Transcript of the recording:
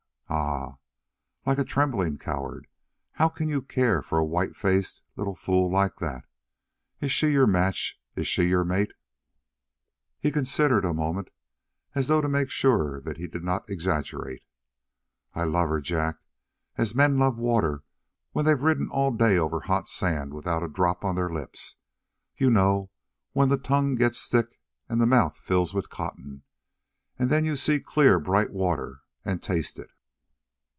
"Ah?" "Like a trembling coward. How can you care for a white faced little fool like that? Is she your match? Is she your mate?" He considered a moment, as though to make sure that he did not exaggerate. "I love her, Jack, as men love water when they've ridden all day over hot sand without a drop on their lips you know when the tongue gets thick and the mouth fills with cotton and then you see clear, bright water, and taste it?